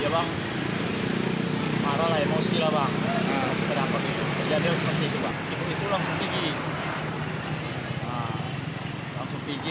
buat seperti itu